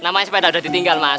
namanya sepeda sudah ditinggal mas